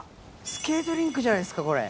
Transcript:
スケートリンクじゃないですかこれ。